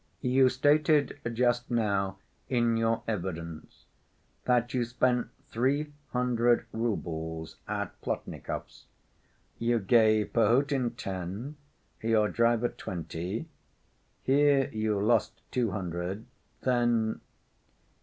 "You stated just now in your evidence that you spent three hundred roubles at Plotnikovs'. You gave Perhotin ten, your driver twenty, here you lost two hundred, then...."